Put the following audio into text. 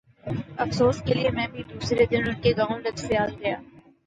افسوس کیلئے میں بھی دوسرے دن ان کے گاؤں لطیفال گیا۔